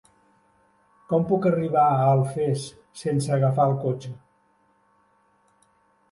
Com puc arribar a Alfés sense agafar el cotxe?